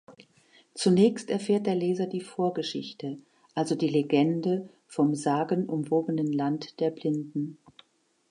Zunächst erfährt der Leser die Vorgeschichte, also die Legende vom sagenumwobenen Land der Blinden.